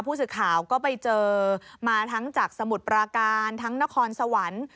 ผู้สื่อข่าวก็ไปเจอมาทั้งจากสมุทรปราการทั้งนครสวรรค์